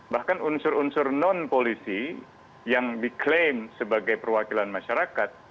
bahkan unsur unsur non polisi yang diklaim sebagai perwakilan masyarakat